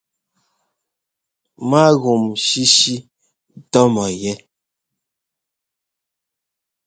Mágúm shíshí tɔ́ mɔ yɛ́.